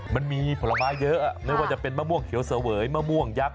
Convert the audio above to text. มันมีผลไม้เยอะไม่ว่าจะเป็นมะม่วงเขียวเสวยมะม่วงยักษ